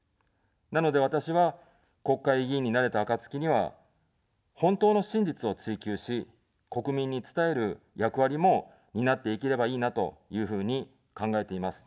なので、私は、国会議員になれた暁には、本当の真実を追求し、国民に伝える役割も担っていければいいなというふうに考えています。